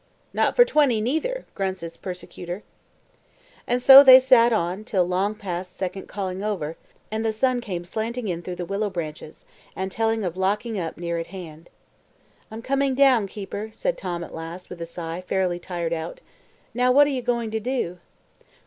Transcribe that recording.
"Not for twenty neither," grunts his persecutor. And so they sat on till long past second calling over; and the sun came slanting in through the willow branches, and telling of locking up near at hand. "I'm coming down, keeper," said Tom at last, with a sigh, fairly tired out. "Now what are you going to do?"